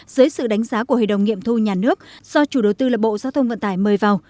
dưới sự đánh giá của hội đồng nghiệm thu nhà nước do chủ đầu tư là bộ giao thông vận tải mời vào